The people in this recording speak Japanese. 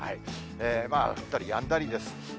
降ったりやんだりです。